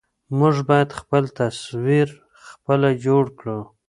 موږ بايد خپل تصوير خپله جوړ کړو.